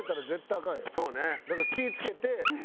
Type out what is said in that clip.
だから気ぃ付けて。